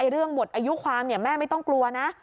เรื่องหมดอายุความแม่ไม่ต้องกลัวนะ